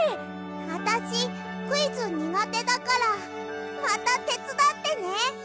あたしクイズにがてだからまたてつだってね。